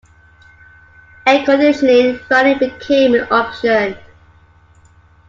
Air conditioning finally became an option.